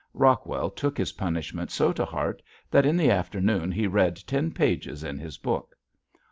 Rockwell took his punishment so to heart that in the afternoon he read ten pages in his book.